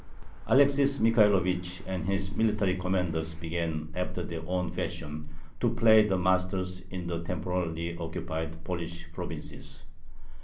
Alexis Michaelovich and his military commanders began after their own fashion to play the masters in the temporarily occupied Polish provinces.